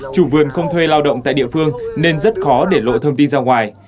chủ vườn không thuê lao động tại địa phương nên rất khó để lộ thông tin ra ngoài